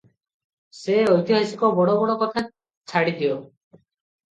ସେ ଐତିହାସିକ ବଡ଼ ବଡ଼ କଥା ଛାଡ଼ିଦିଅ ।